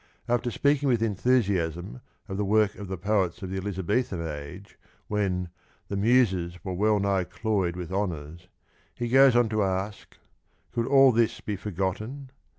After speaking with SassicMschoo enthusiasm of the work of the poets of the Elizabethan age, when " the Muses were well nigh cloyed with honours," he goes on to ask —" Could all this be forgotten?